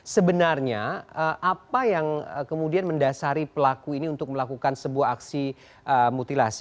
sebenarnya apa yang kemudian mendasari pelaku ini untuk melakukan sebuah aksi mutilasi